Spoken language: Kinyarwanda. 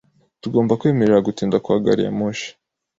Tugomba kwemerera gutinda kwa gari ya moshi .